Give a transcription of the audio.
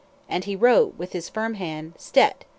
And he wrote with his firm hand "_Stet!